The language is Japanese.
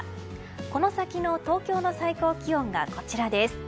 この先の東京の最高気温がこちらです。